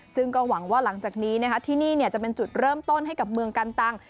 ซึ่งก็หวังว่าหลังจากนี้ที่นี่จะเป็นจุดเริ่มต้นให้กับเมืองกันตัง